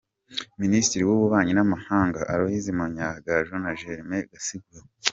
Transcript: – Ministri w’ububanyi n’amahanga: Aloys Munyangaju na Germain Gasingwa,